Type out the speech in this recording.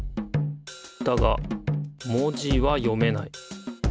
だが文字は読めない。